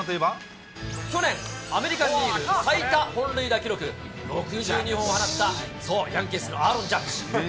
去年、アメリカンリーグ最多本塁打記録、６２本を放ったそう、ヤンキースのアーロン・ジャッジ。